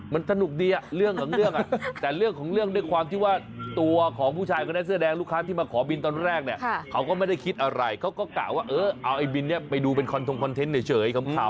พูดจริงเขาก็มาใช้บริการร้านนี้อยู่แล้ว